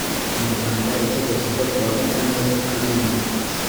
mu rwanda itegeko ryo ku wa gatandatu kamena